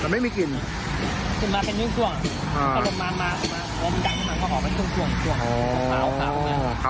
มันมีกลิ่นถึงมาแค่นิ้วส่วนอ่า